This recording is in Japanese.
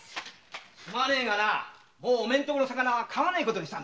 すまねえがなもうお前のとこの魚は買わねえことにしたんだ。